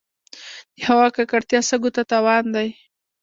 د هوا ککړتیا سږو ته تاوان دی.